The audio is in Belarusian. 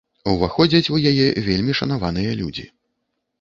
Уваходзяць у яе вельмі шанаваныя людзі.